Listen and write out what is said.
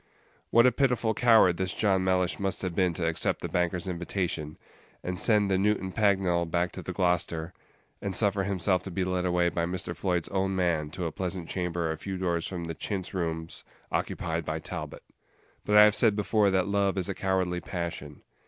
What a pitiful coward this John Mellish must have been to accept the banker's invitation, and send the Newton Pagnell back to the Gloucester, and suffer himself to be led away by Mr. Floyd's own man to a pleasant chamber a few doors from the chintz rooms occupied by Talbot! But I have said before that love is a cowardly passion.